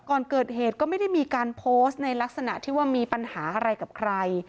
ก่อนเกิดเหตุก็ไม่ได้มีการโพสต์ในลักษณะที่ว่ามีปัญหาอะไรกับใคร